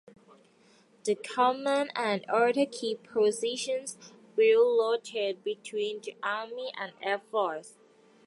The command and other key positions will rotate between the Army and Air Force.